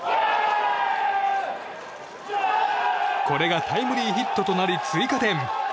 これがタイムリーヒットとなり追加点。